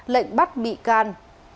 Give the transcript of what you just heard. lệnh bắt bị can